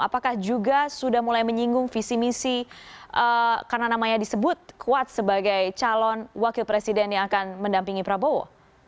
apakah juga sudah mulai menyinggung visi misi karena namanya disebut kuat sebagai calon wakil presiden yang akan mendampingi prabowo